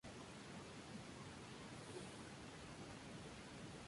El Rancho no está abierto al público y no es visible desde la carretera.